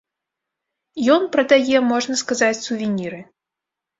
Ён прадае, можна сказаць, сувеніры.